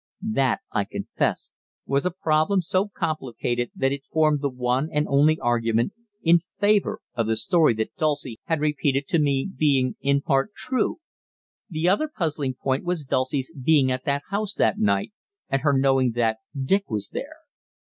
That, I confess, was a problem so complicated that it formed the one and only argument in favour of the story that Dulcie had repeated to me being in part true. The other puzzling point was Dulcie's being at that house that night, and her knowing that Dick was there.